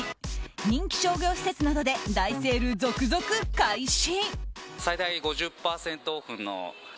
人気商業施設などで大セール続々開始。